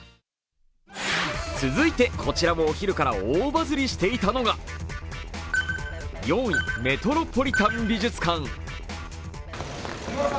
続いてこちらもお昼から大バズりしていたのが、４位メトロポリタン美術館。